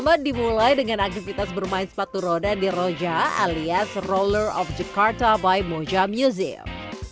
pertama dimulai dengan aktivitas bermain sepatu roda di roja alias roller of jakarta by moja music